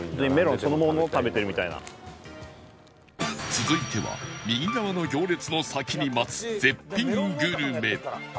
続いては右側の行列の先に待つ絶品グルメ